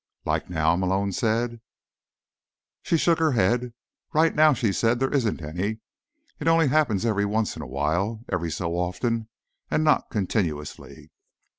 "Like now?" Malone said. She shook her head. "Right now," she said, "there isn't any. It only happens every once in awhile, every so often, and not continuously."